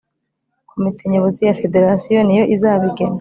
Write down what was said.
komite nyobozi ya federasiyo niyo izabigena